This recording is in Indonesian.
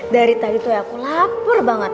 dari tadi tuh aku lapar banget